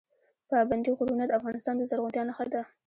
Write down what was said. پابندی غرونه د افغانستان د زرغونتیا نښه ده.